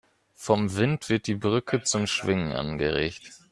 Vom Wind wird die Brücke zum Schwingen angeregt.